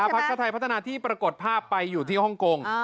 พักชาติไทยพัฒนาที่ปรากฏภาพไปอยู่ที่ฮ่องกง